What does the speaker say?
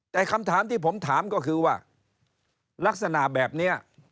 แต่คำถามที่ผมถามก็คือว่าลักษณะแบบนี้